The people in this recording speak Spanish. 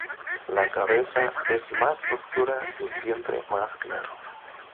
La cabeza es más oscura y el vientre más claro.